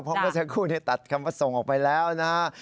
เพราะเมื่อสักครู่ตัดคำว่าส่งออกไปแล้วนะฮะ